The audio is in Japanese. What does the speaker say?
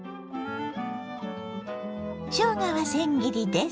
しょうがはせん切りです。